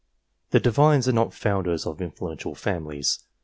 The Divines are not founders of influential families.